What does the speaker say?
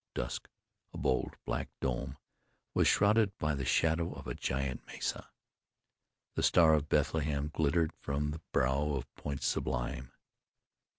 Dusk, a bold, black dome, was shrouded by the shadow of a giant mesa. The Star of Bethlehem glittered from the brow of Point Sublime.